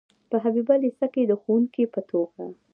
په حبیبیه لیسه کې د ښوونکي په توګه.